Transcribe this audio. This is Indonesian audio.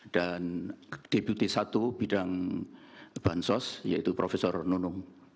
dan deputi satu bidang bahan sos yaitu profesor nunung